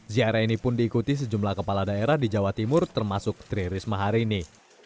ziarah ini pun diikuti sejumlah kepala daerah di jawa timur termasuk tri risma hari ini